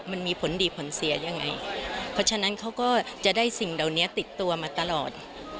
มันมีผลดีผลเสียยังไงเพราะฉะนั้นเขาก็จะได้สิ่งเหล่านี้ติดตัวมาตลอด